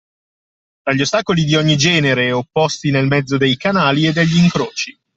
Tra gli ostacoli di ogni genere opposti nel mezzo dei canali e degli incroci